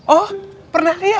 oh pernah lihat